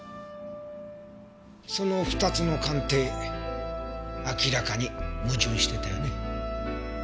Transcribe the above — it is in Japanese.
その２つの鑑定明らかに矛盾してたよね？